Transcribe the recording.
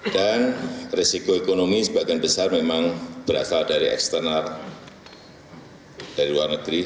dan risiko ekonomi sebagian besar memang berasal dari eksternal dari luar negeri